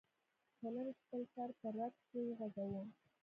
هولمز خپل سر په رد کې وخوزاوه.